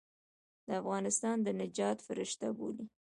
د افغانستان د نجات فرشته بولي.